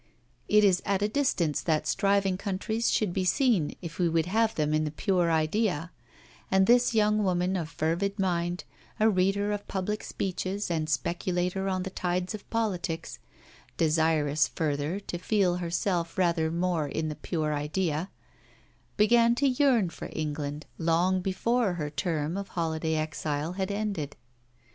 It is at a distance that striving countries should be seen if we would have them in the pure idea; and this young woman of fervid mind, a reader of public speeches and speculator on the tides of politics (desirous, further, to feel herself rather more in the pure idea), began to yearn for England long before her term of holiday exile had ended.